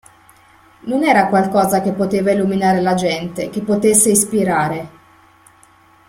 Non era qualcosa che poteva illuminare la gente, che potesse ispirare.